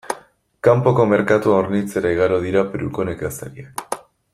Kanpoko merkatua hornitzera igaro dira Peruko nekazariak.